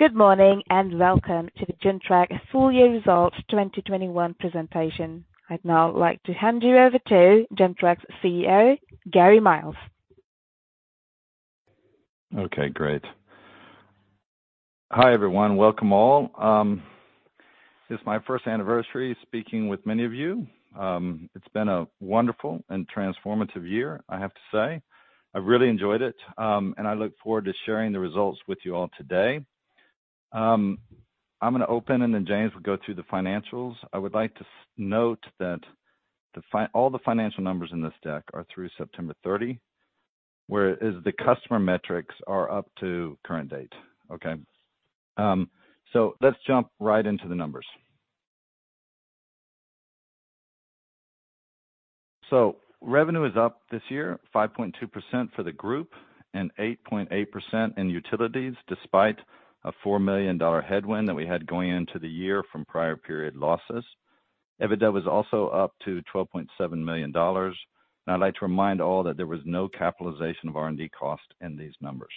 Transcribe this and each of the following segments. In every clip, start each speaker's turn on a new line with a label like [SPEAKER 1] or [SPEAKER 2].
[SPEAKER 1] Good morning, and welcome to the Gentrack full-year results 2021 presentation. I'd now like to hand you over to Gentrack's CEO, Gary Miles.
[SPEAKER 2] Okay, great. Hi, everyone. Welcome all. It's my first anniversary speaking with many of you. It's been a wonderful and transformative year, I have to say. I've really enjoyed it, and I look forward to sharing the results with you all today. I'm gonna open and then James will go through the financials. I would like to note that all the financial numbers in this deck are through September 30, whereas the customer metrics are up to current date. Okay. Let's jump right into the numbers. Revenue is up this year 5.2% for the group and 8.8% in utilities, despite a 4 million dollar headwind that we had going into the year from prior period losses. EBITDA was also up to 12.7 million dollars. I'd like to remind all that there was no capitalization of R&D cost in these numbers.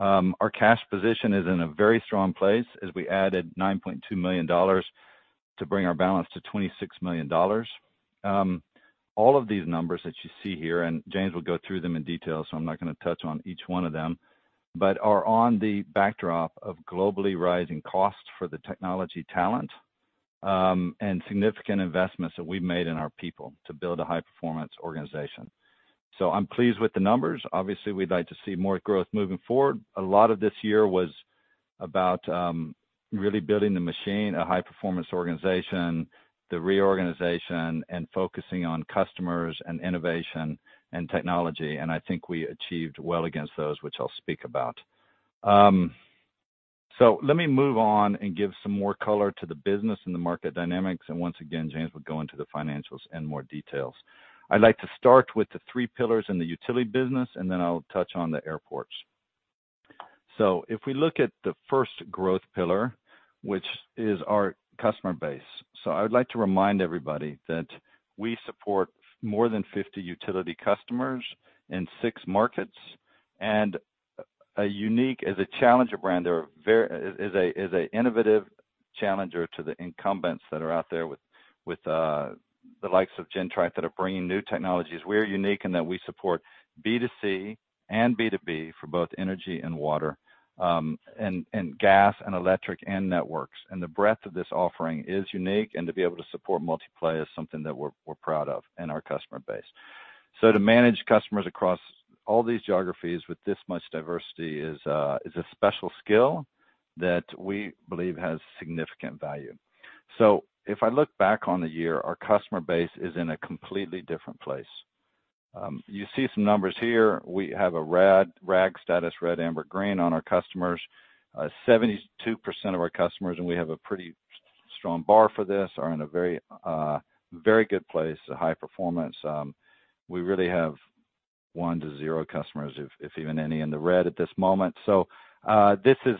[SPEAKER 2] Our cash position is in a very strong place as we added 9.2 million dollars to bring our balance to 26 million dollars. All of these numbers that you see here, and James will go through them in detail, so I'm not gonna touch on each one of them, but are on the backdrop of globally rising costs for the technology talent, and significant investments that we've made in our people to build a high-performance organization. I'm pleased with the numbers. Obviously, we'd like to see more growth moving forward. A lot of this year was about really building the machine, a high-performance organization, the reorganization and focusing on customers and innovation and technology, and I think we achieved well against those, which I'll speak about. Let me move on and give some more color to the business and the market dynamics. Once again, James will go into the financials in more details. I'd like to start with the three pillars in the utility business, and then I'll touch on the airports. If we look at the first growth pillar, which is our customer base. I would like to remind everybody that we support more than 50 utility customers in six markets, and as unique, as a challenger brand or as a innovative challenger to the incumbents that are out there with the likes of Gentrack that are bringing new technologies. We're unique in that we support B2C and B2B for both energy and water, and gas and electric and networks. The breadth of this offering is unique, and to be able to support multi-play is something that we're proud of in our customer base. To manage customers across all these geographies with this much diversity is a special skill that we believe has significant value. If I look back on the year, our customer base is in a completely different place. You see some numbers here. We have a RAG status, red, amber, green, on our customers. 72% of our customers, and we have a pretty strong bar for this, are in a very good place, a high performance. We really have one-zero customers, if even any, in the red at this moment. This is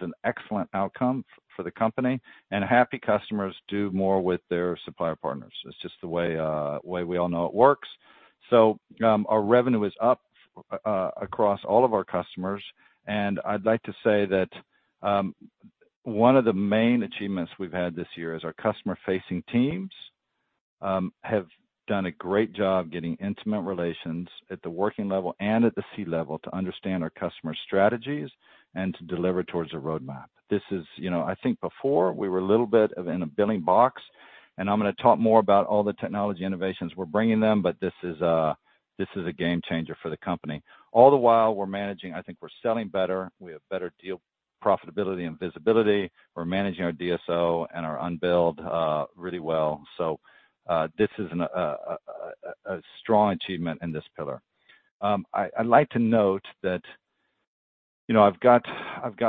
[SPEAKER 2] an excellent outcome for the company, and happy customers do more with their supplier partners. It's just the way we all know it works. Our revenue is up across all of our customers. I'd like to say that one of the main achievements we've had this year is our customer-facing teams have done a great job getting intimate relations at the working level and at the C-level to understand our customers' strategies and to deliver towards a roadmap. You know, I think before we were a little bit in a billing box, and I'm gonna talk more about all the technology innovations we're bringing them, but this is a game changer for the company. All the while we're managing, I think we're selling better, we have better deal profitability and visibility. We're managing our DSO and our unbilled really well. This is a strong achievement in this pillar. I'd like to note that, you know, I've got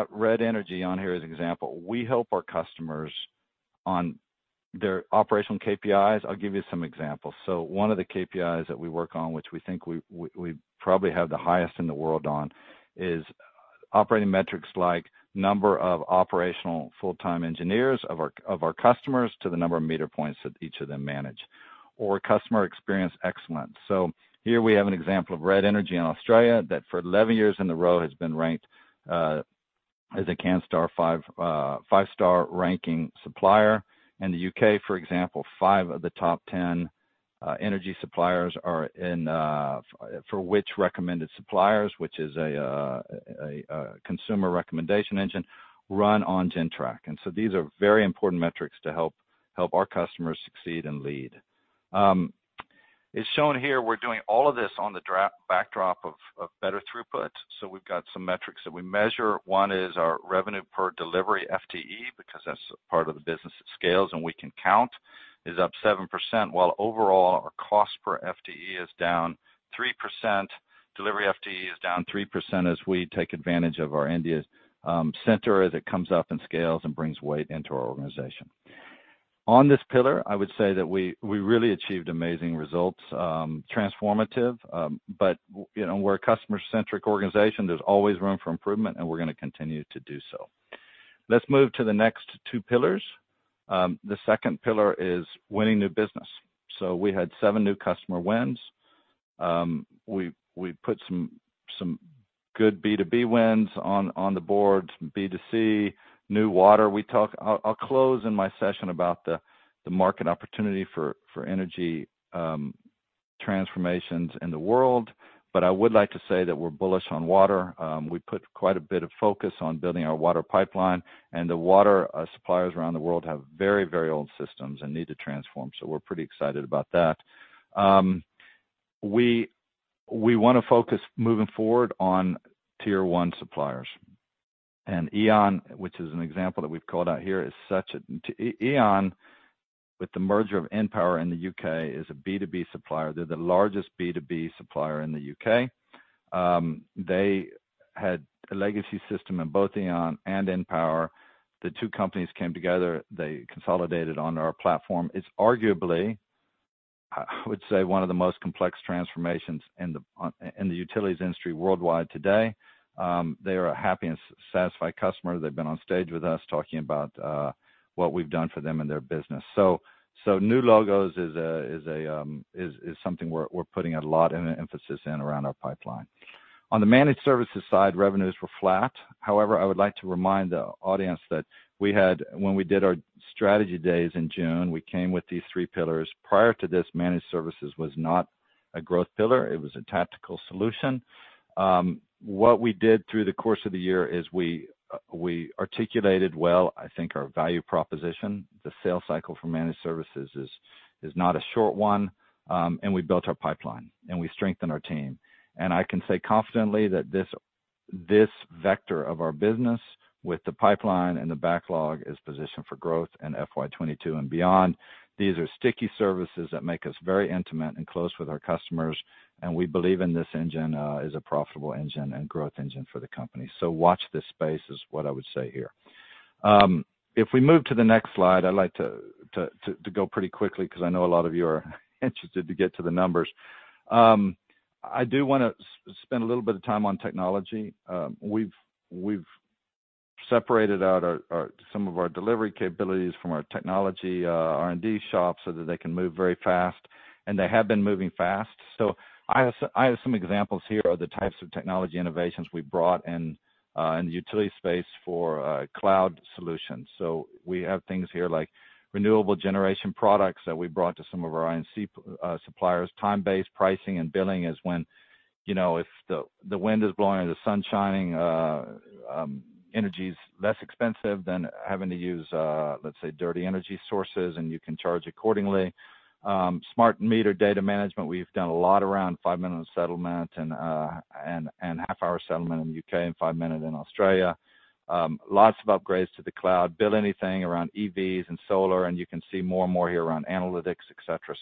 [SPEAKER 2] Red Energy on here as an example. We help our customers on their operational KPIs. I'll give you some examples. One of the KPIs that we work on, which we think we probably have the highest in the world on, is operating metrics like number of operational full-time engineers of our customers to the number of meter points that each of them manage or customer experience excellence. Here we have an example of Red Energy in Australia that for 11 years in a row has been ranked as a Canstar five-star ranking supplier. In the U.K., for example, five of the top 10 energy suppliers are in for which Recommended Provider, which is a consumer recommendation engine, run on Gentrack. These are very important metrics to help our customers succeed and lead. As shown here, we're doing all of this on the backdrop of better throughput. We've got some metrics that we measure. One is our revenue per delivery FTE, because that's part of the business that scales, and we can count. It is up 7%, while overall our cost per FTE is down 3%. Delivery FTE is down 3% as we take advantage of our India's center as it comes up and scales and brings weight into our organization. On this pillar, I would say that we really achieved amazing results, transformative. You know, we're a customer-centric organization. There's always room for improvement, and we're gonna continue to do so. Let's move to the next two pillars. The second pillar is winning new business. We had seven new customer wins. We put some good B2B wins on the board, some B2C, new water. I'll close in my session about the market opportunity for energy transformations in the world. I would like to say that we're bullish on water. We put quite a bit of focus on building our water pipeline. The water suppliers around the world have very, very old systems and need to transform. We're pretty excited about that. We wanna focus moving forward on tier one suppliers. E.ON, which is an example that we've called out here, is such a E.ON, with the merger of npower in the U.K., is a B2B supplier. They're the largest B2B supplier in the U.K. They had a legacy system in both E.ON and npower. The two companies came together, they consolidated on our platform. It's arguably, I would say, one of the most complex transformations in the utilities industry worldwide today. They are a happy and satisfied customer. They've been on stage with us talking about what we've done for them and their business. New logos is something we're putting a lot of emphasis on around our pipeline. On the managed services side, revenues were flat. However, I would like to remind the audience that when we did our strategy days in June, we came with these three pillars. Prior to this, managed services was not a growth pillar, it was a tactical solution. What we did through the course of the year is we articulated well, I think, our value proposition. The sales cycle for managed services is not a short one, and we built our pipeline and we strengthened our team. I can say confidently that this vector of our business with the pipeline and the backlog is positioned for growth in FY 2022 and beyond. These are sticky services that make us very intimate and close with our customers, and we believe in this engine as a profitable engine and growth engine for the company. Watch this space, is what I would say here. If we move to the next slide, I'd like to go pretty quickly because I know a lot of you are interested to get to the numbers. I do wanna spend a little bit of time on technology. We've separated out some of our delivery capabilities from our technology R&D shop so that they can move very fast, and they have been moving fast. I have some examples here of the types of technology innovations we've brought in in the utility space for cloud solutions. We have things here like renewable generation products that we brought to some of our R&C suppliers. Time-based pricing and billing is when, you know, if the wind is blowing or the sun's shining, energy's less expensive than having to use, let's say, dirty energy sources, and you can charge accordingly. Smart meter data management, we've done a lot around five-minute settlement and half-hourly settlement in the U.K. and five-minute in Australia. Lots of upgrades to the cloud. Build anything around EVs and solar, and you can see more and more here around analytics, et cetera.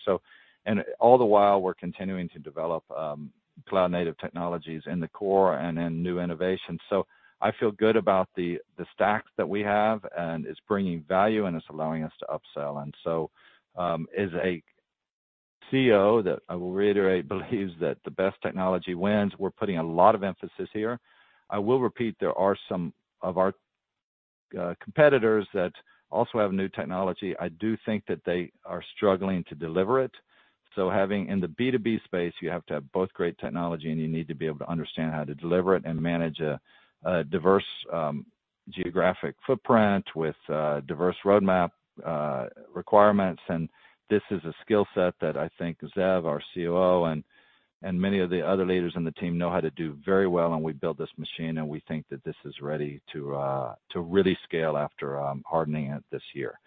[SPEAKER 2] All the while, we're continuing to develop cloud-native technologies in the core and in new innovations. I feel good about the stacks that we have, and it's bringing value and it's allowing us to upsell. As a CEO that I will reiterate believes that the best technology wins, we're putting a lot of emphasis here. I will repeat, there are some of our competitors that also have new technology. I do think that they are struggling to deliver it. Having in the B2B space, you have to have both great technology, and you need to be able to understand how to deliver it and manage a diverse geographic footprint with diverse roadmap requirements. This is a skill set that I think Zeev, our COO, and many of the other leaders in the team know how to do very well, and we built this machine, and we think that this is ready to really scale after hardening it this year.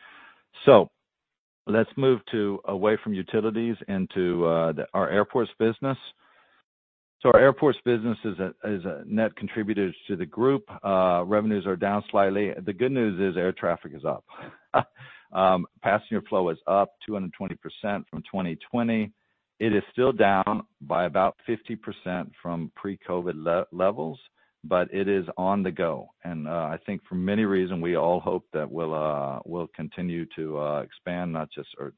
[SPEAKER 2] Let's move away from utilities into our airports business. Our airports business is a net contributor to the group. Revenues are down slightly. The good news is air traffic is up. Passenger flow is up 220% from 2020. It is still down by about 50% from pre-COVID levels, but it is on the go. I think for many reasons, we all hope that we'll continue to expand or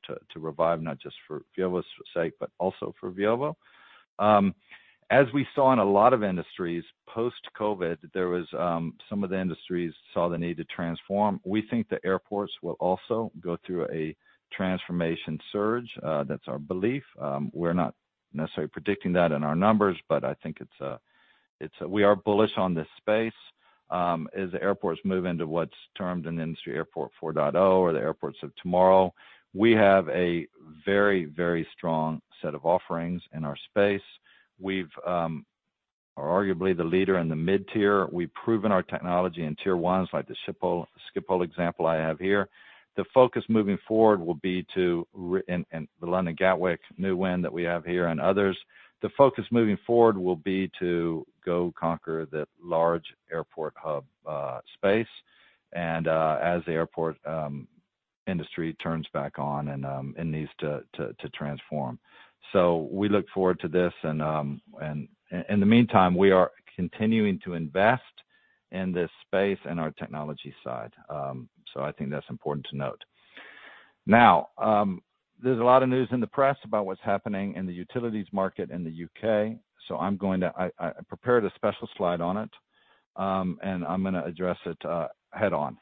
[SPEAKER 2] to revive, not just for Veovo's sake, but also for Veovo. As we saw in a lot of industries post-COVID, some of the industries saw the need to transform. We think the airports will also go through a transformation surge. That's our belief. We're not necessarily predicting that in our numbers, but I think it's. We are bullish on this space. As the airports move into what's termed in the industry Airport 4.0 or the airports of tomorrow, we have a very, very strong set of offerings in our space. We are arguably the leader in the mid-tier. We've proven our technology in tier ones like the Schiphol example I have here and the London Gatwick new win that we have here and others. The focus moving forward will be to go conquer the large airport hub space and as the airport industry turns back on and needs to transform. We look forward to this and in the meantime, we are continuing to invest in this space and our technology side. I think that's important to note. Now, there's a lot of news in the press about what's happening in the utilities market in the U.K., so I prepared a special slide on it, and I'm gonna address it head on.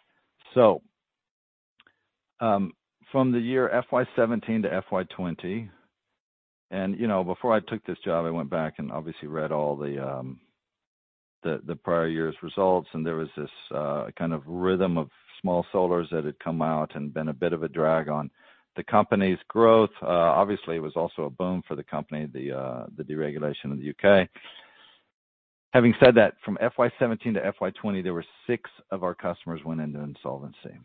[SPEAKER 2] From the year FY 2017 to FY 2020, you know, before I took this job, I went back and obviously read all the prior year's results, and there was this kind of rhythm of small suppliers that had come out and been a bit of a drag on the company's growth. Obviously, it was also a boom for the company, the deregulation of the U.K. Having said that, from FY 2017 to FY 2020, there were six of our customers went into insolvency.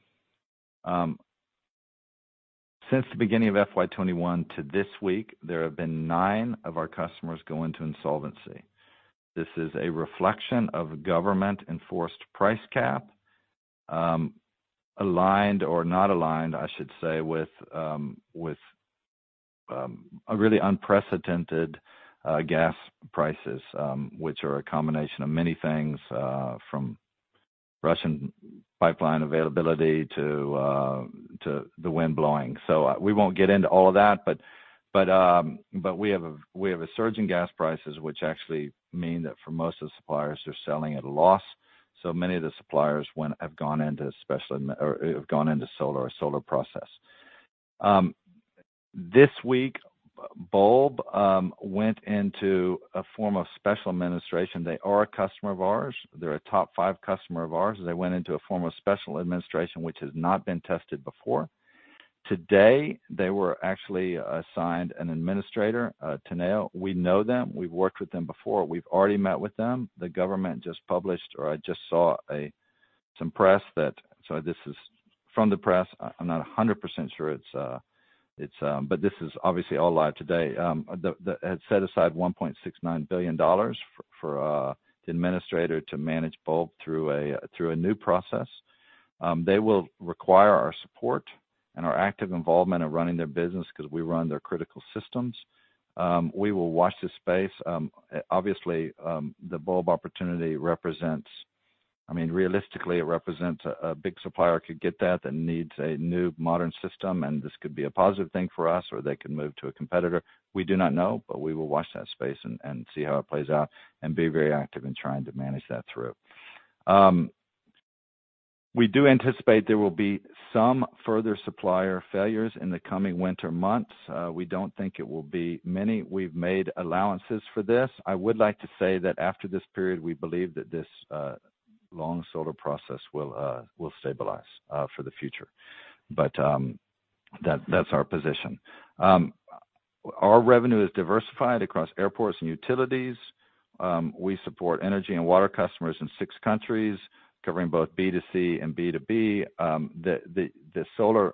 [SPEAKER 2] Since the beginning of FY 2021 to this week, there have been nine of our customers go into insolvency. This is a reflection of government-enforced price cap, aligned or not aligned, I should say, with a really unprecedented gas prices, which are a combination of many things, from Russian pipeline availability to the wind blowing. We won't get into all of that, but we have a surge in gas prices, which actually mean that for most of the suppliers are selling at a loss. Many of the suppliers have gone into special administration or have gone into SoLR or SoLR process. This week, Bulb went into a form of special administration. They are a customer of ours. They're a top five customer of ours. They went into a form of special administration which has not been tested before. Today, they were actually assigned an administrator, Teneo. We know them. We've worked with them before. We've already met with them. The government just published, or I just saw some press that. So this is from the press. I'm not 100% sure it's, but this is obviously all live today. That had set aside 1.69 billion dollars for the administrator to manage Bulb through a new process. They will require our support and our active involvement of running their business 'cause we run their critical systems. We will watch this space. Obviously, the Bulb opportunity represents, I mean, realistically, it represents a big supplier could get that needs a new modern system, and this could be a positive thing for us, or they can move to a competitor. We do not know, but we will watch that space and see how it plays out and be very active in trying to manage that through. We do anticipate there will be some further supplier failures in the coming winter months. We don't think it will be many. We've made allowances for this. I would like to say that after this period, we believe that this SoLR process will stabilize for the future. That's our position. Our revenue is diversified across airports and utilities. We support energy and water customers in six countries covering both B2C and B2B. The solar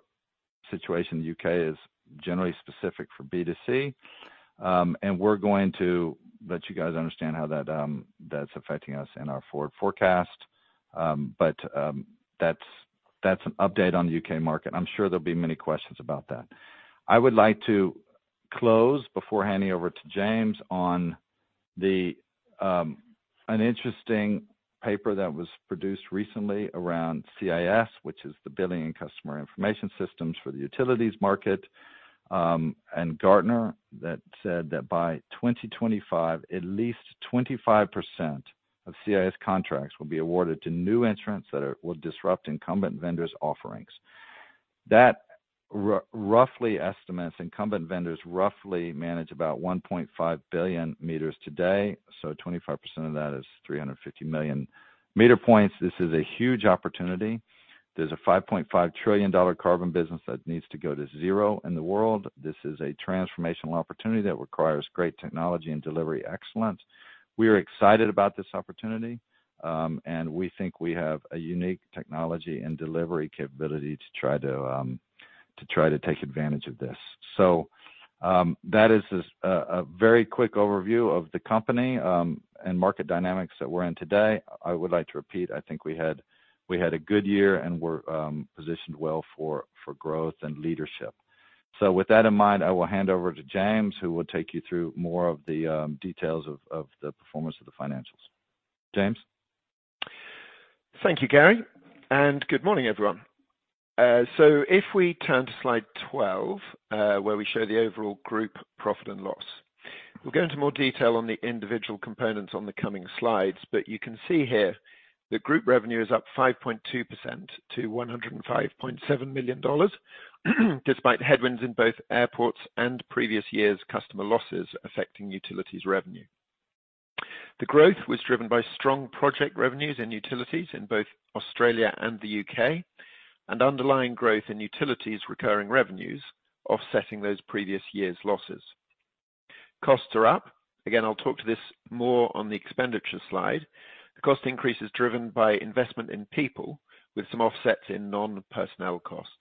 [SPEAKER 2] situation in the U.K. is generally specific for B2C. We're going to let you guys understand how that's affecting us in our forecast. That's an update on the U.K. market. I'm sure there'll be many questions about that. I would like to close before handing over to James on an interesting paper that was produced recently around CIS, which is the billing and customer information systems for the utilities market, and Gartner that said that by 2025, at least 25% of CIS contracts will be awarded to new entrants that will disrupt incumbent vendors' offerings. Roughly estimates incumbent vendors manage about 1.5 billion meters today, so 25% of that is 350 million meter points. This is a huge opportunity. There's a $5.5 trillion carbon business that needs to go to zero in the world. This is a transformational opportunity that requires great technology and delivery excellence. We are excited about this opportunity, and we think we have a unique technology and delivery capability to try to take advantage of this. That is a very quick overview of the company and market dynamics that we're in today. I would like to repeat, I think we had a good year, and we're positioned well for growth and leadership. With that in mind, I will hand over to James, who will take you through more of the details of the performance of the financials. James?
[SPEAKER 3] Thank you, Gary, and good morning, everyone. If we turn to Slide 12, where we show the overall group profit and loss. We'll go into more detail on the individual components on the coming slides, but you can see here that group revenue is up 5.2% to 105.7 million dollars, despite headwinds in both airports and previous years' customer losses affecting utilities revenue. The growth was driven by strong project revenues in utilities in both Australia and the U.K., and underlying growth in utilities recurring revenues offsetting those previous years' losses. Costs are up. Again, I'll talk to this more on the expenditure slide. The cost increase is driven by investment in people with some offsets in non-personnel costs.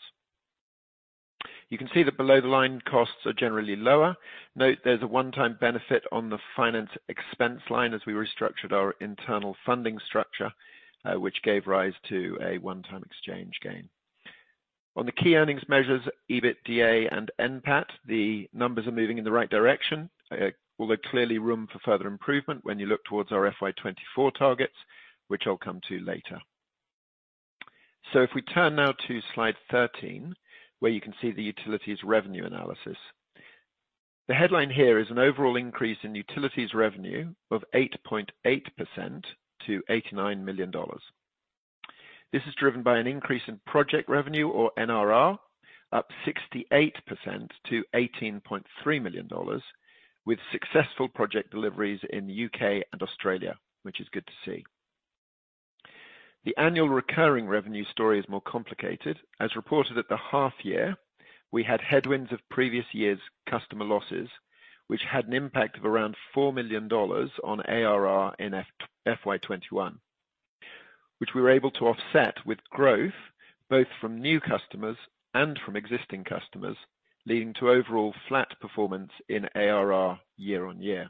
[SPEAKER 3] You can see that below-the-line costs are generally lower. Note there's a one-time benefit on the finance expense line as we restructured our internal funding structure, which gave rise to a one-time exchange gain. On the key earnings measures, EBITDA and NPAT, the numbers are moving in the right direction, although clearly room for further improvement when you look towards our FY 2024 targets, which I'll come to later. If we turn now to Slide 13, where you can see the utilities revenue analysis. The headline here is an overall increase in utilities revenue of 8.8% to 89 million dollars. This is driven by an increase in project revenue or NRR up 68% to 18.3 million dollars, with successful project deliveries in the U.K. and Australia, which is good to see. The annual recurring revenue story is more complicated. As reported at the half year, we had headwinds of previous year's customer losses, which had an impact of around 4 million dollars on ARR in FY 2021, which we were able to offset with growth both from new customers and from existing customers, leading to overall flat performance in ARR year-on-year.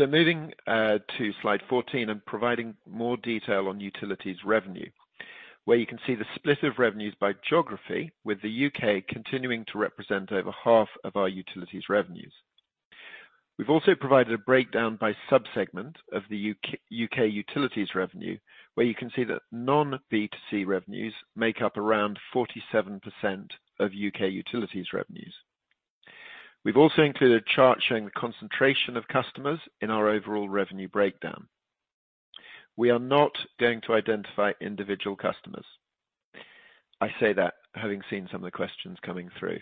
[SPEAKER 3] Moving to Slide 14 and providing more detail on utilities revenue, where you can see the split of revenues by geography with the U.K. continuing to represent over half of our utilities revenues. We've also provided a breakdown by sub-segment of the U.K. utilities revenue, where you can see that non B2C revenues make up around 47% of U.K. utilities revenues. We've also included a chart showing the concentration of customers in our overall revenue breakdown. We are not going to identify individual customers. I say that having seen some of the questions coming through.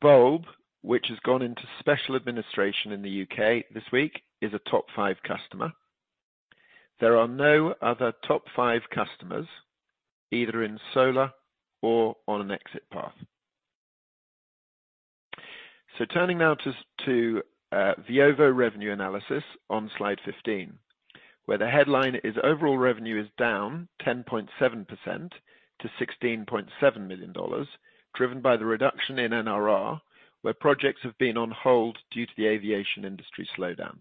[SPEAKER 3] Bulb, which has gone into special administration in the U.K. this week, is a top 5 customer. There are no other top 5 customers, either in SoLR or on an exit path. Turning now to Veovo revenue analysis on Slide 15, where the headline is overall revenue is down 10.7% to 16.7 million dollars, driven by the reduction in NRR, where projects have been on hold due to the aviation industry slowdown.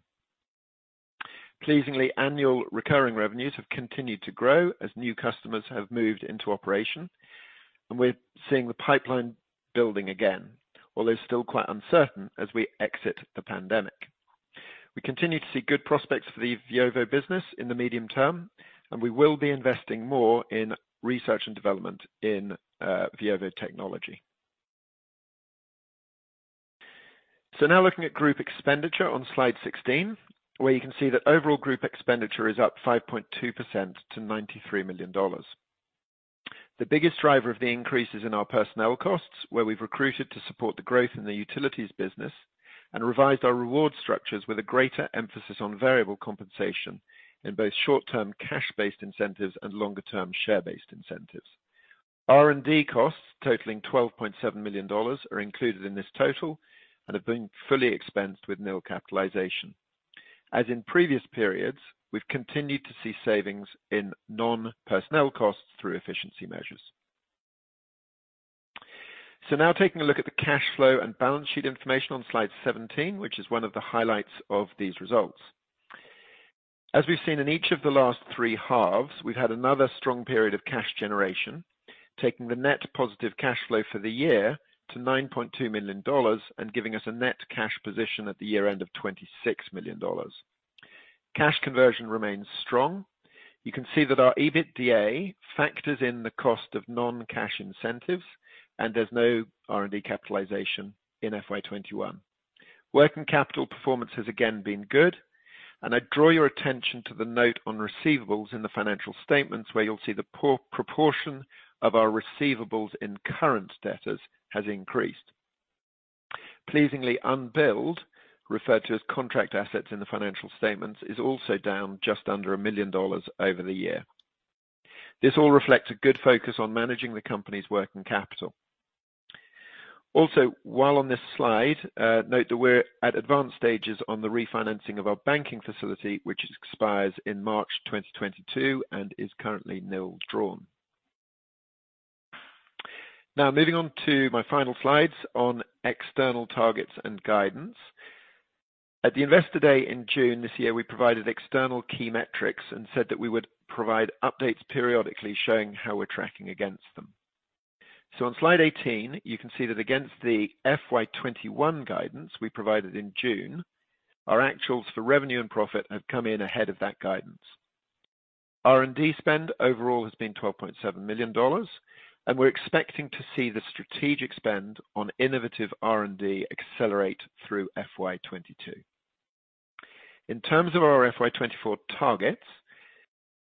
[SPEAKER 3] Pleasingly, annual recurring revenues have continued to grow as new customers have moved into operation, and we're seeing the pipeline building again, although still quite uncertain as we exit the pandemic. We continue to see good prospects for the Veovo business in the medium term, and we will be investing more in research and development in Veovo technology. Now looking at group expenditure on Slide 16, where you can see that overall group expenditure is up 5.2% to 93 million dollars. The biggest driver of the increase is in our personnel costs, where we've recruited to support the growth in the utilities business and revised our reward structures with a greater emphasis on variable compensation in both short-term cash-based incentives and longer-term share-based incentives. R&D costs totaling 12.7 million dollars are included in this total and have been fully expensed with nil capitalization. As in previous periods, we've continued to see savings in non-personnel costs through efficiency measures. Now taking a look at the cash flow and balance sheet information on Slide 17, which is one of the highlights of these results. As we've seen in each of the last three halves, we've had another strong period of cash generation, taking the net positive cash flow for the year to 9.2 million dollars and giving us a net cash position at the year-end of 26 million dollars. Cash conversion remains strong. You can see that our EBITDA factors in the cost of non-cash incentives, and there's no R&D capitalization in FY 2021. Working capital performance has again been good, and I draw your attention to the note on receivables in the financial statements, where you'll see the proportion of our receivables in current debtors has increased. Pleasingly, unbilled, referred to as contract assets in the financial statements, is also down just under 1 million dollars over the year. This all reflects a good focus on managing the company's working capital. While on this slide, note that we're at advanced stages on the refinancing of our banking facility, which expires in March 2022 and is currently nil drawn. Now moving on to my final slides on external targets and guidance. At the Investor Day in June this year, we provided external key metrics and said that we would provide updates periodically showing how we're tracking against them. On Slide 18, you can see that against the FY 2021 guidance we provided in June, our actuals for revenue and profit have come in ahead of that guidance. R&D spend overall has been 12.7 million dollars, and we're expecting to see the strategic spend on innovative R&D accelerate through FY 2022. In terms of our FY 2024 targets,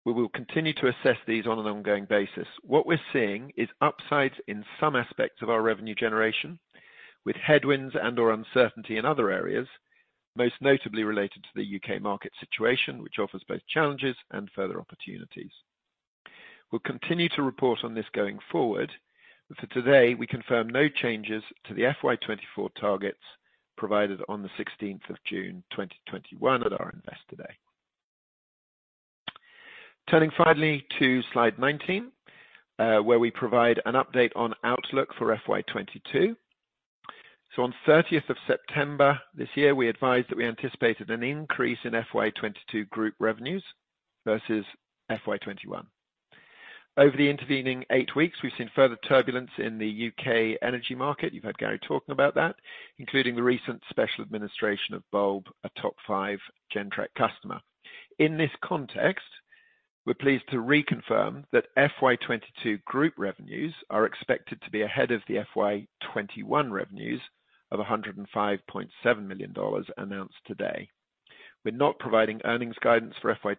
[SPEAKER 3] we will continue to assess these on an ongoing basis. What we're seeing is upsides in some aspects of our revenue generation with headwinds and/or uncertainty in other areas, most notably related to the U.K. market situation, which offers both challenges and further opportunities. We'll continue to report on this going forward, but for today, we confirm no changes to the FY 2024 targets provided on the 16th of June 2021 at our Investor Day. Turning finally to Slide 19, where we provide an update on outlook for FY 2022. On 30th of September this year, we advised that we anticipated an increase in FY 2022 group revenues versus FY 2021. Over the intervening eight weeks, we've seen further turbulence in the U.K. energy market. You've heard Gary talking about that, including the recent special administration of Bulb, a top five Gentrack customer. In this context, we're pleased to reconfirm that FY 2022 group revenues are expected to be ahead of the FY 2021 revenues of 105.7 million dollars announced today. We're not providing earnings guidance for FY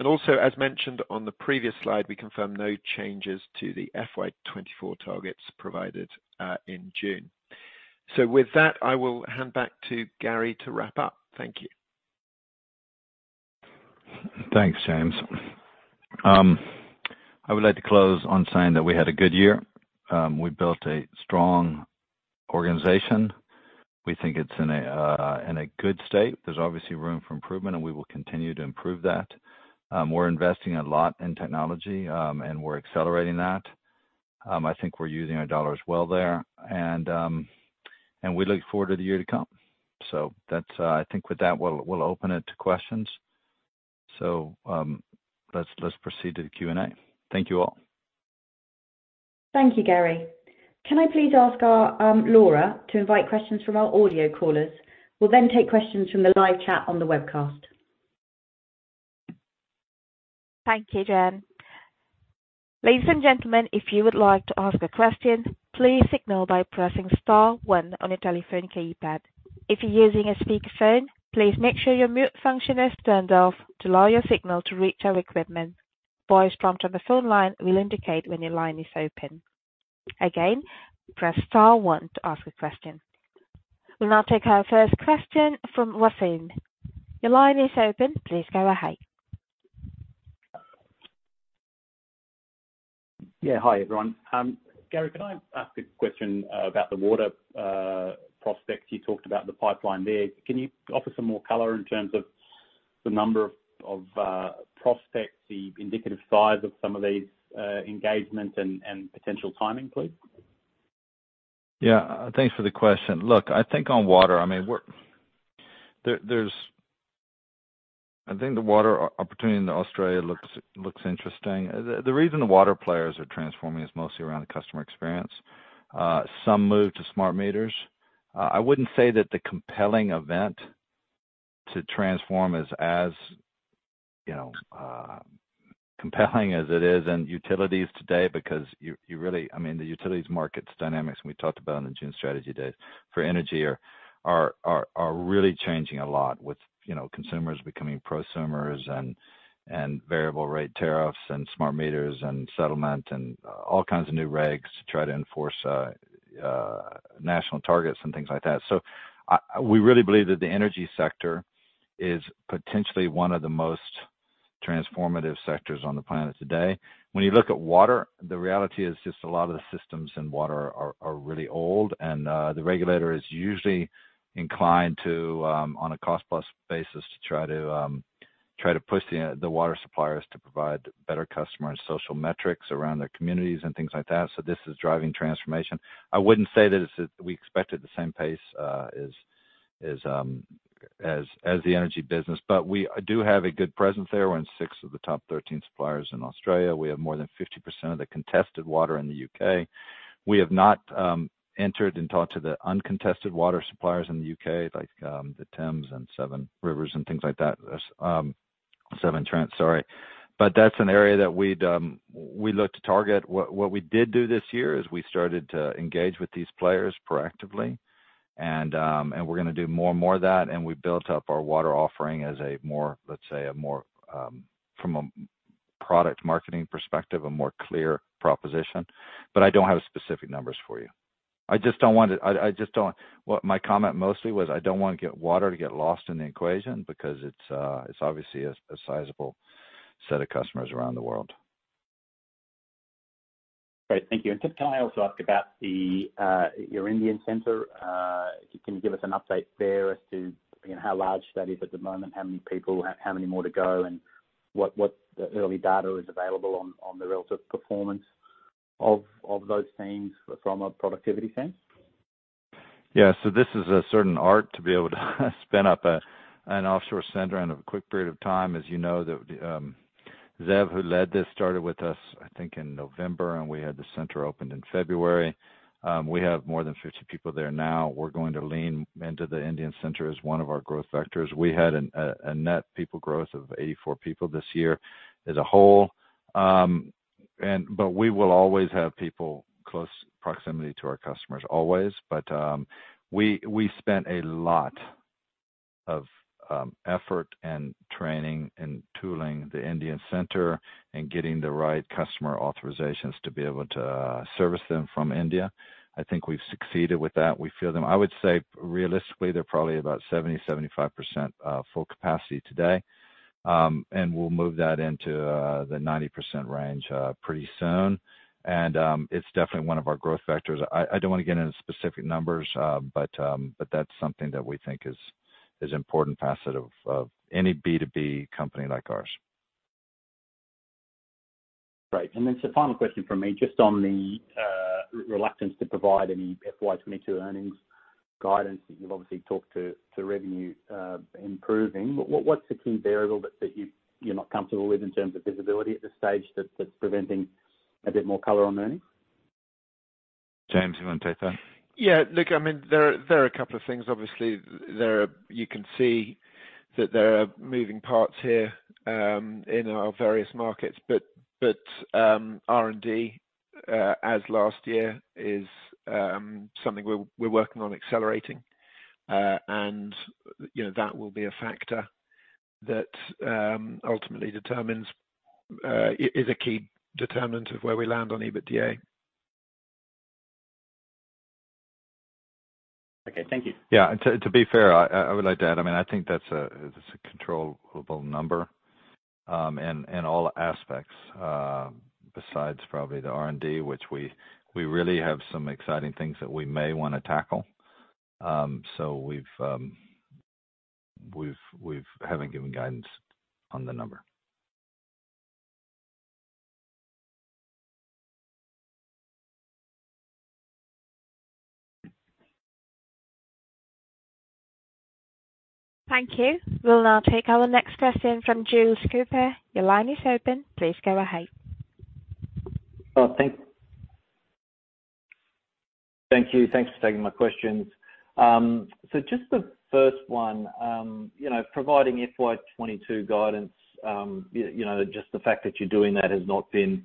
[SPEAKER 3] 2022. As mentioned on the previous slide, we confirm no changes to the FY 2024 targets provided in June. With that, I will hand back to Gary to wrap up. Thank you.
[SPEAKER 2] Thanks, James. I would like to close on saying that we had a good year. We built a strong organization. We think it's in a good state. There's obviously room for improvement, and we will continue to improve that. We're investing a lot in technology, and we're accelerating that. I think we're using our dollars well there. We look forward to the year to come. That's, I think with that, we'll open it to questions. Let's proceed to the Q&A. Thank you all.
[SPEAKER 4] Thank you, Gary. Can I please ask our Laura to invite questions from our audio callers? We'll then take questions from the live chat on the webcast.
[SPEAKER 1] Thank you, Jen. Ladies and gentlemen, if you would like to ask a question, please signal by pressing star one on your telephone keypad. If you're using a speaker phone, please make sure your mute function is turned off to allow your signal to reach our equipment. Voice prompt on the phone line will indicate when your line is open. Again, press star one to ask a question. We'll now take our first question from Wasim. Your line is open. Please go ahead.
[SPEAKER 5] Yeah. Hi, everyone. Gary, can I ask a question about the water prospects? You talked about the pipeline there. Can you offer some more color in terms of the number of prospects, the indicative size of some of these engagements and potential timing, please?
[SPEAKER 2] Yeah. Thanks for the question. Look, I think on water, I mean, I think the water opportunity in Australia looks interesting. The reason the water players are transforming is mostly around the customer experience and some move to smart meters. I wouldn't say that the compelling event to transform is as you know compelling as it is in utilities today because you really I mean, the utilities market dynamics, and we talked about in the June strategy days, for energy are really changing a lot with, you know, consumers becoming prosumers and variable rate tariffs and smart meters and settlement and all kinds of new regs to try to enforce national targets and things like that. We really believe that the energy sector is potentially one of the most transformative sectors on the planet today. When you look at water, the reality is just a lot of the systems in water are really old. The regulator is usually inclined to, on a cost-plus basis, try to push the water suppliers to provide better customer and social metrics around their communities and things like that. This is driving transformation. I wouldn't say that we expect it at the same pace as the energy business. We do have a good presence there. We're in six of the top 13 suppliers in Australia. We have more than 50% of the contested water in the U.K. We have not entered and talked to the uncontested water suppliers in the U.K., like, Thames Water and Severn Trent and things like that. Severn Trent, sorry. That's an area that we'd look to target. What we did do this year is we started to engage with these players proactively. We're gonna do more and more of that. We built up our water offering as a more, let's say, a more, from a product marketing perspective, a more clear proposition. I don't have specific numbers for you. I just don't want it. I just don't. What my comment mostly was I don't want water to get lost in the equation because it's obviously a sizable set of customers around the world.
[SPEAKER 5] Great. Thank you. Can I also ask about the your Indian center? If you can give us an update there as to how large that is at the moment, how many people, how many more to go, and what early data is available on the relative performance of those teams from a productivity sense?
[SPEAKER 2] Yeah. This is a certain art to be able to spin up an offshore center in a quick period of time. As you know, Zeev, who led this, started with us, I think, in November, and we had the center opened in February. We have more than 50 people there now. We're going to lean into the Indian center as one of our growth vectors. We had a net people growth of 84 people this year as a whole. We will always have people close proximity to our customers always. We spent a lot of effort and training and tooling the Indian center and getting the right customer authorizations to be able to service them from India. I think we've succeeded with that. We feel them. I would say, realistically, they're probably about 70%-75% full capacity today. We'll move that into the 90% range pretty soon. It's definitely one of our growth vectors. I don't wanna get into specific numbers. That's something that we think is important facet of any B2B company like ours.
[SPEAKER 5] Great. Final question from me, just on the reluctance to provide any FY 2022 earnings guidance. You've obviously talked about revenue improving. What's the key variable that you’re not comfortable with in terms of visibility at this stage that's preventing a bit more color on earnings?
[SPEAKER 2] James, you want to take that?
[SPEAKER 3] Yeah. Look, I mean, there are a couple of things. Obviously, you can see that there are moving parts here in our various markets. R&D as last year is something we're working on accelerating. You know, that will be a factor that ultimately is a key determinant of where we land on EBITDA.
[SPEAKER 5] Okay. Thank you.
[SPEAKER 2] To be fair, I would like to add, I mean, I think that's a controllable number in all aspects, besides probably the R&D, which we really have some exciting things that we may wanna tackle. We haven't given guidance on the number.
[SPEAKER 1] Thank you. We'll now take our next question from Jules Cooper. Your line is open. Please go ahead.
[SPEAKER 6] Thank you. Thanks for taking my questions. So just the first one, you know, providing FY 2022 guidance, you know, just the fact that you're doing that has not been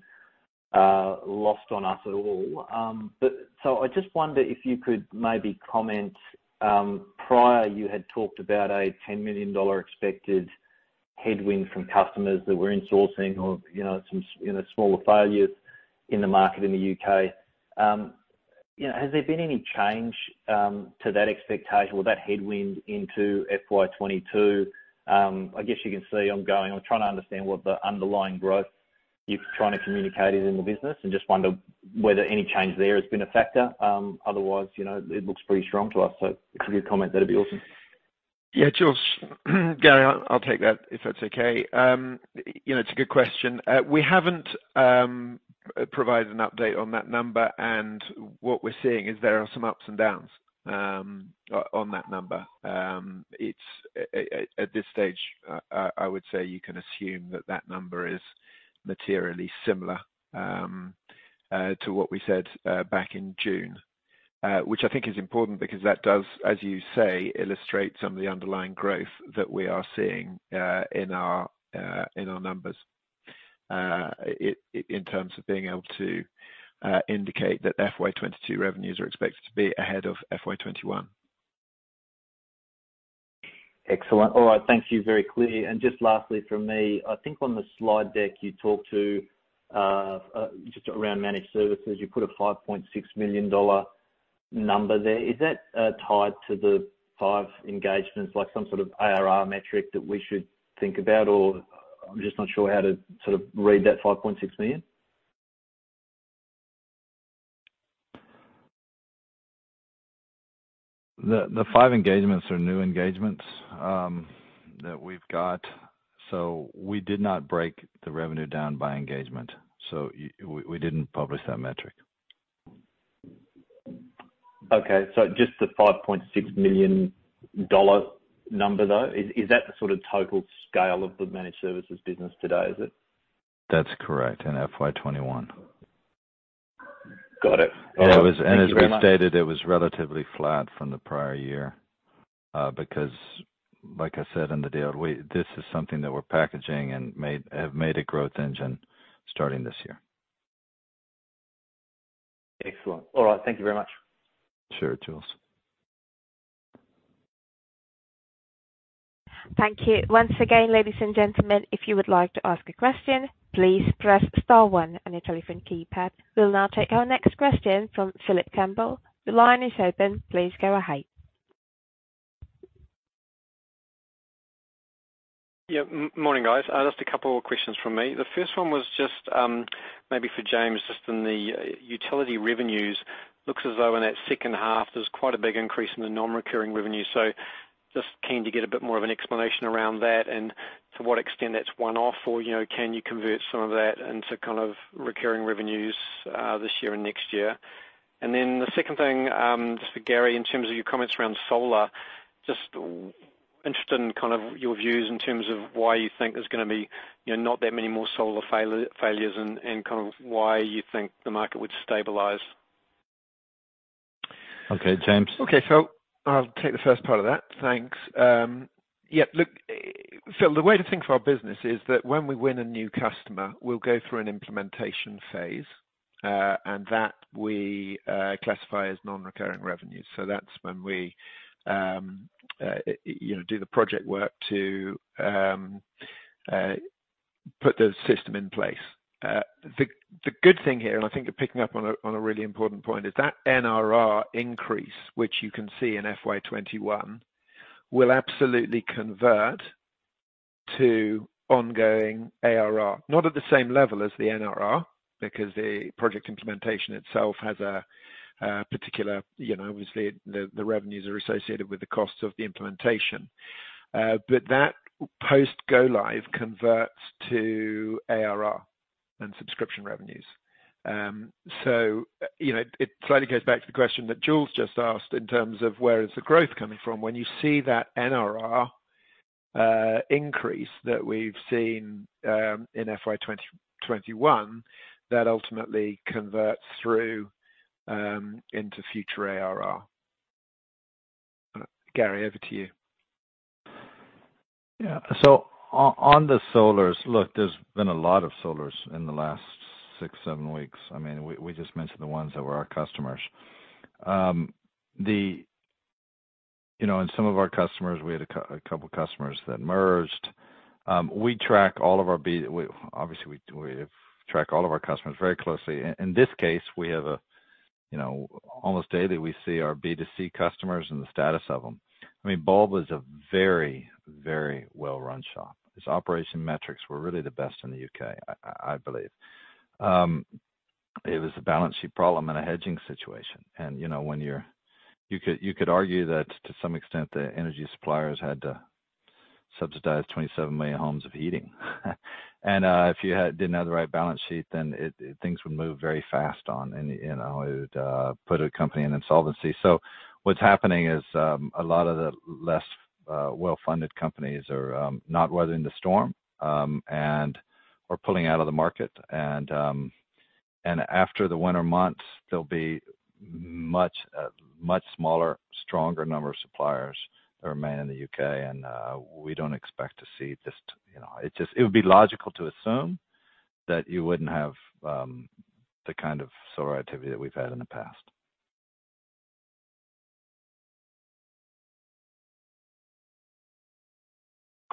[SPEAKER 6] lost on us at all. I just wonder if you could maybe comment, prior you had talked about a 10 million dollar expected headwind from customers that were insourcing or, you know, some smaller failures in the market in the U.K. You know, has there been any change to that expectation or that headwind into FY 2022? I guess you can see I'm trying to understand what the underlying growth you're trying to communicate is in the business and just wonder whether any change there has been a factor. Otherwise, you know, it looks pretty strong to us. If you could comment, that'd be awesome.
[SPEAKER 3] Yeah. Jules. Gary, I'll take that if that's okay. You know, it's a good question. We haven't provided an update on that number. What we're seeing is there are some ups and downs on that number. It's at this stage, I would say you can assume that that number is materially similar to what we said back in June, which I think is important because that does, as you say, illustrate some of the underlying growth that we are seeing in our numbers in terms of being able to indicate that FY 2022 revenues are expected to be ahead of FY 2021.
[SPEAKER 6] Excellent. All right. Thank you. Very clear. Just lastly from me, I think on the slide deck you talked to, just around managed services, you put a 5.6 million dollar number there. Is that tied to the five engagements, like some sort of ARR metric that we should think about? Or I'm just not sure how to sort of read that 5.6 million.
[SPEAKER 2] The five engagements are new engagements that we've got, so we did not break the revenue down by engagement, so we didn't publish that metric.
[SPEAKER 6] Just the 5.6 million dollar number, though, is that the sort of total scale of the managed services business today, is it?
[SPEAKER 2] That's correct. In FY 2021.
[SPEAKER 6] Got it.
[SPEAKER 2] It was
[SPEAKER 6] All right. Thank you very much.
[SPEAKER 2] As we stated, it was relatively flat from the prior year, because like I said in the deal, this is something that we're packaging and have made a growth engine starting this year.
[SPEAKER 6] Excellent. All right. Thank you very much.
[SPEAKER 2] Sure, Jules.
[SPEAKER 1] Thank you. Once again, ladies and gentlemen, if you would like to ask a question, please press star one on your telephone keypad. We'll now take our next question from Phil Campbell. Your line is open. Please go ahead.
[SPEAKER 7] Morning, guys. Just a couple of questions from me. The first one was just maybe for James, just in the utility revenues. Looks as though in that second half there's quite a big increase in the non-recurring revenue. Just keen to get a bit more of an explanation around that and to what extent that's one-off or, you know, can you convert some of that into kind of recurring revenues this year and next year. Then the second thing, just for Gary, in terms of your comments around SoLR, just interested in kind of your views in terms of why you think there's gonna be, you know, not that many more SoLR failures and kind of why you think the market would stabilize.
[SPEAKER 2] Okay, James?
[SPEAKER 3] Okay. Phil, I'll take the first part of that. Thanks. Yeah, look, Phil, the way to think of our business is that when we win a new customer, we'll go through an implementation phase, and that we classify as non-recurring revenues. That's when we, you know, do the project work to put the system in place. The good thing here, and I think you're picking up on a really important point, is that NRR increase, which you can see in FY 2021, will absolutely convert to ongoing ARR. Not at the same level as the NRR, because the project implementation itself has a particular, you know, obviously the revenues are associated with the costs of the implementation. But that post go live converts to ARR and subscription revenues. You know, it slightly goes back to the question that Jules just asked in terms of where is the growth coming from. When you see that NRR increase that we've seen in FY 2021 that ultimately converts through into future ARR. Gary, over to you.
[SPEAKER 2] Yeah. On the SoLRs, look, there's been a lot of SoLRs in the last six, seven weeks. I mean, we just mentioned the ones that were our customers. You know, some of our customers, we had a couple customers that merged. Obviously, we track all of our customers very closely. In this case, we have, you know, almost daily we see our B2C customers and the status of them. I mean, Bulb was a very well-run shop. Its operation metrics were really the best in the U.K., I believe. It was a balance sheet problem and a hedging situation. You know, you could argue that to some extent, the energy suppliers had to subsidize 27 million homes of heating. If you didn't have the right balance sheet, then things would move very fast on and, you know, it would put a company in insolvency. What's happening is a lot of the less well-funded companies are not weathering the storm and are pulling out of the market. After the winter months, there'll be much smaller, stronger number of suppliers that remain in the U.K. and we don't expect to see just, you know, it would be logical to assume that you wouldn't have the kind of SoLR activity that we've had in the past.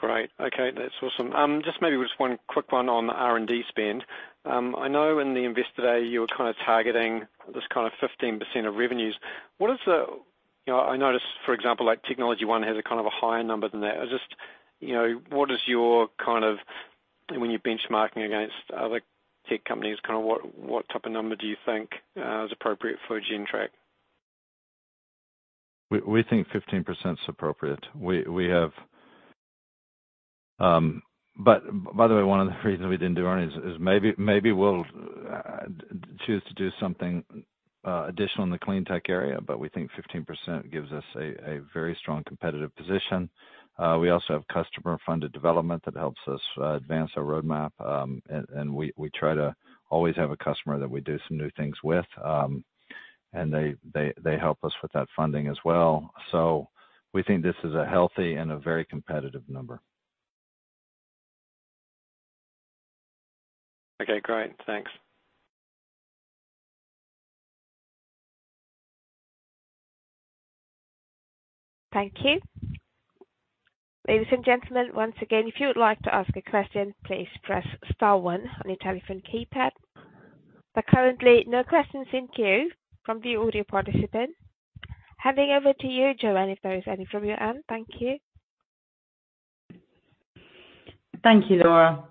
[SPEAKER 7] Great. Okay, that's awesome. Just maybe just one quick one on the R&D spend. I know in the Investor Day, you were kind of targeting this kind of 15% of revenues. You know, I noticed, for example, like TechnologyOne has a kind of a higher number than that. Just, you know, what is your kind of when you're benchmarking against other tech companies, kind of what type of number do you think is appropriate for Gentrack?
[SPEAKER 2] We think 15% is appropriate. By the way, one of the reasons we didn't do earnings is maybe we'll choose to do something additional in the clean tech area, but we think 15% gives us a very strong competitive position. We also have customer-funded development that helps us advance our roadmap. We try to always have a customer that we do some new things with, and they help us with that funding as well. We think this is a healthy and very competitive number.
[SPEAKER 7] Okay, great. Thanks.
[SPEAKER 1] Thank you. Ladies and gentlemen, once again, if you would like to ask a question, please press star one on your telephone keypad. There are currently no questions in queue from the audio participants. Handing over to you, Joanne, if there is any from your end. Thank you.
[SPEAKER 8] Thank you, Laura.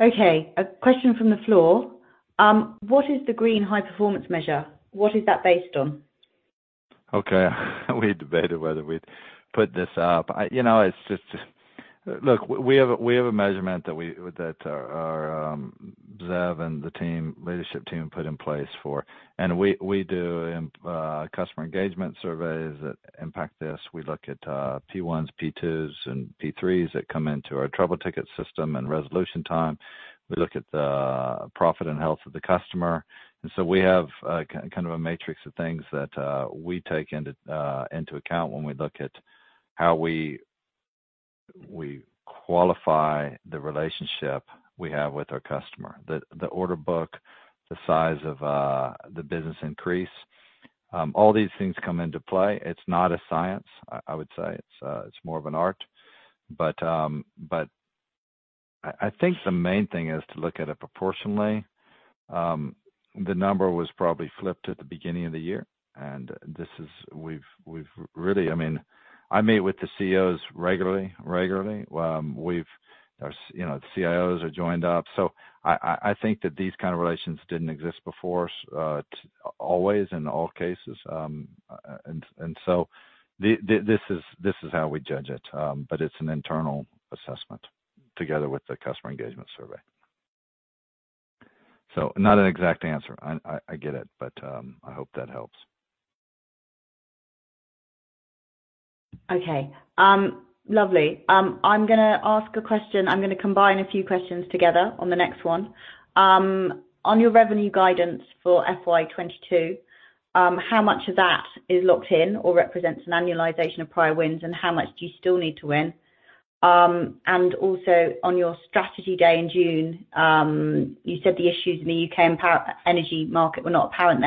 [SPEAKER 8] Okay, a question from the floor. What is the green high-performance measure? What is that based on?
[SPEAKER 2] Okay. We debated whether we'd put this up. You know, Look, we have a measurement that our Zeev and the leadership team put in place for. We do customer engagement surveys that impact this. We look at P-ones, P-twos, and P-threes that come into our trouble ticket system and resolution time. We look at the profile and health of the customer. We have kind of a matrix of things that we take into account when we look at how we qualify the relationship we have with our customer. The order book, the size of the business increase, all these things come into play. It's not a science. I would say it's more of an art. I think the main thing is to look at it proportionally. The number was probably flipped at the beginning of the year. I mean, I meet with the CEOs regularly. You know, the CIOs are joined up. I think that these kind of relations didn't exist before, not always in all cases. This is how we judge it. It's an internal assessment together with the customer engagement survey. Not an exact answer. I get it, but I hope that helps.
[SPEAKER 8] I'm gonna ask a question. I'm gonna combine a few questions together on the next one. On your revenue guidance for FY 2022, how much of that is locked in or represents an annualization of prior wins, and how much do you still need to win? Also on your strategy day in June, you said the issues in the U.K. energy market were not apparent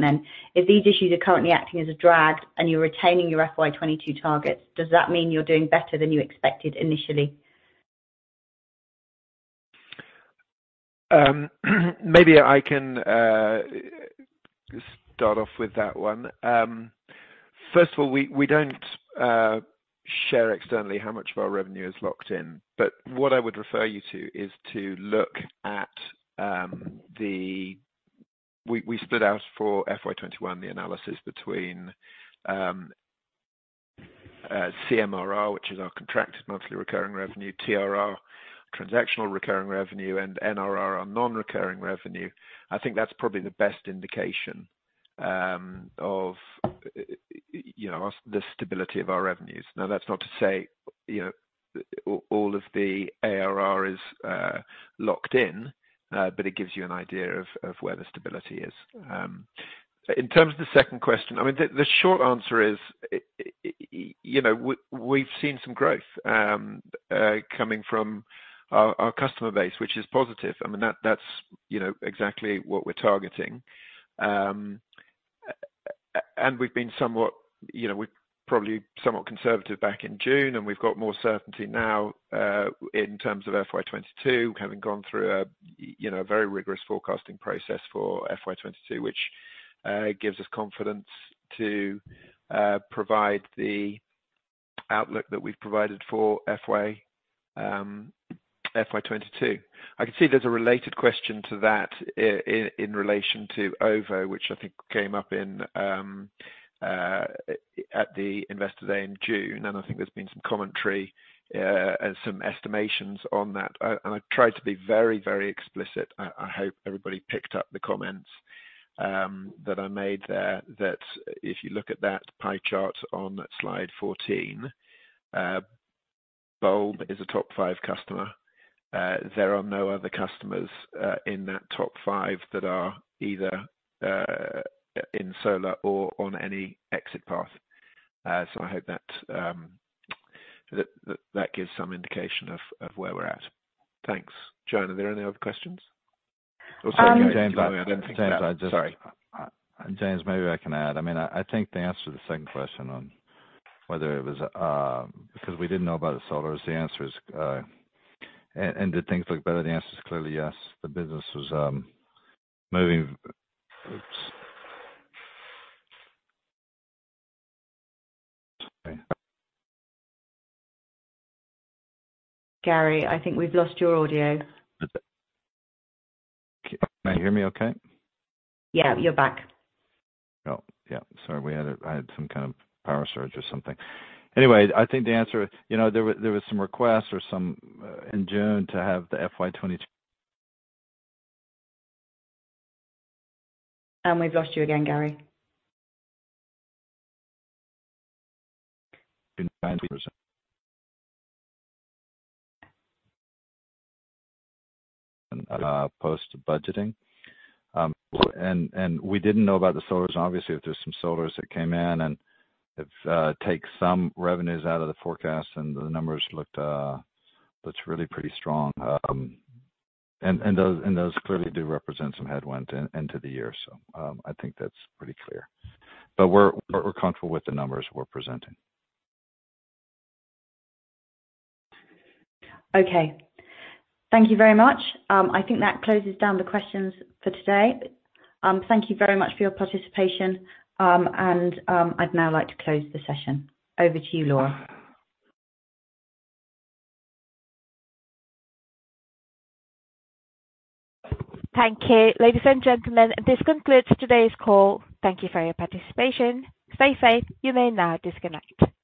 [SPEAKER 8] then. If these issues are currently acting as a drag and you're retaining your FY 2022 targets, does that mean you're doing better than you expected initially?
[SPEAKER 3] Maybe I can start off with that one. First of all, we don't share externally how much of our revenue is locked in, but what I would refer you to is to look at the. We split out for FY 2021 the analysis between CMRR, which is our contracted monthly recurring revenue, TRR, transactional recurring revenue and NRR, our non-recurring revenue. I think that's probably the best indication of you know, the stability of our revenues. Now, that's not to say, you know, all of the ARR is locked in, but it gives you an idea of where the stability is. In terms of the second question, I mean, the short answer is, you know, we've seen some growth coming from our customer base, which is positive. I mean, that's, you know, exactly what we're targeting. And we've been somewhat, you know, we're probably somewhat conservative back in June, and we've got more certainty now in terms of FY 2022, having gone through a, you know, very rigorous forecasting process for FY 2022, which gives us confidence to provide the outlook that we've provided for FY 2022. I can see there's a related question to that in relation to OVO, which I think came up in at the Investor Day in June, and I think there's been some commentary and some estimations on that. I tried to be very, very explicit. I hope everybody picked up the comments that I made there, that if you look at that pie chart on Slide 14, Bulb is a top five customer. There are no other customers in that top five that are either in SoLR or on any exit path. I hope that gives some indication of where we're at. Thanks. Joanne, are there any other questions?
[SPEAKER 8] Um-
[SPEAKER 3] Sorry, Gary. I don't think that.
[SPEAKER 2] James, I just-
[SPEAKER 3] Sorry.
[SPEAKER 2] James, maybe I can add. I mean, I think the answer to the second question on whether it was because we didn't know about the SoLRs, the answer is. Did things look better? The answer is clearly yes. The business was moving. Oops. Sorry.
[SPEAKER 8] Gary, I think we've lost your audio.
[SPEAKER 2] Can you hear me okay?
[SPEAKER 8] Yeah, you're back.
[SPEAKER 2] Oh, yeah, sorry. I had some kind of power surge or something. Anyway, I think the answer is, you know, there was some requests or some in June to have the FY twenty-
[SPEAKER 8] We've lost you again, Gary.
[SPEAKER 2] Post-budgeting. We didn't know about the SoLRs, obviously. If there's some SoLRs that came in and if we take some revenues out of the forecast, the numbers looked really pretty strong. Those clearly do represent some headwind into the year, so I think that's pretty clear. We're comfortable with the numbers we're presenting.
[SPEAKER 4] Okay. Thank you very much. I think that closes down the questions for today. Thank you very much for your participation, and I'd now like to close the session. Over to you, Laura.
[SPEAKER 1] Thank you. Ladies and gentlemen, this concludes today's call. Thank you for your participation. Stay safe. You may now disconnect.